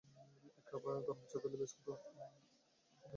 এক কাপ গরম চা পেলে বেশ হত।